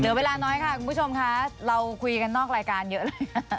เวลาน้อยค่ะคุณผู้ชมค่ะเราคุยกันนอกรายการเยอะเลย